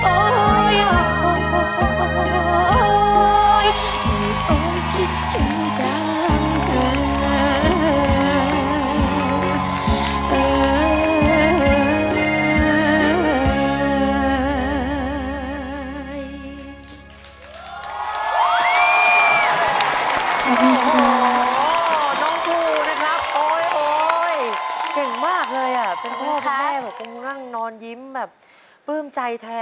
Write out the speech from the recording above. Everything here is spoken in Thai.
โอ๊ยโอ๊ยโอ๊ยโอ๊ยโอ๊ยไม่ต้องคิดถึงเจ้าเธอ